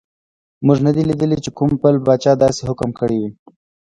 موږ نه دي لیدلي چې کوم بل پاچا داسې حکم کړی وي.